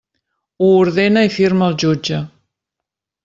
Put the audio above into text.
Ho ordena i firma el jutge.